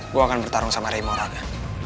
gue akan bertarung sama raymo raga